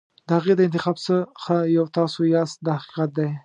د هغې د انتخاب څخه یو تاسو یاست دا حقیقت دی.